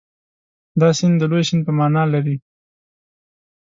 دا سیند د لوی سیند په معنا لري.